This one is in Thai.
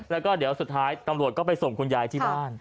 แล้วก็เดี๋ยวสุดท้ายตำรวจก็ไปส่งคุณยายที่บ้าน